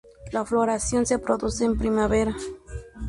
La floración se produce en primavera.